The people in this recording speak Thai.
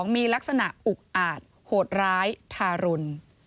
มีลักษณะอุกอาจโหดร้ายทารุณ